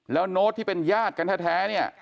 แล้วโน้ตที่เป็นญาติกันแท้เนี่ย